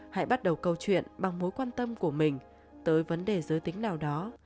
hãy bắt đầu câu chuyện bằng mối quan tâm của mình tới vấn đề giới tính nào đó